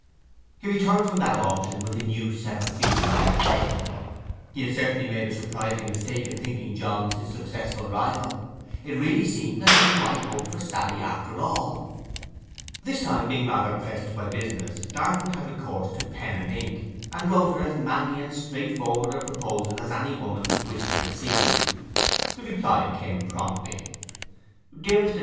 He returned from that auction with a new set of feelings in play. He had certainly made a surprising mistake in thinking Johns his successful rival. It really seemed as if he might hope for Sally after all. This time, being rather pressed by business, Darton had recourse to pen and ink, and wrote her as manly and straightforward a proposal as any woman could wish to receive. The reply came promptly: 'DEAR MR.